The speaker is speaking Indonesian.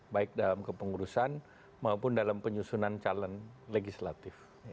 baik dalam kepengurusan maupun dalam penyusunan calon legislatif